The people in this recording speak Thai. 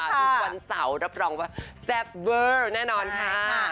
ทุกวันเสาร์รับรองว่าแซ่บเวอร์แน่นอนค่ะ